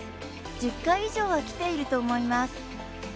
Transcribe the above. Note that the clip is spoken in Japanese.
１０回以上は来ていると思います。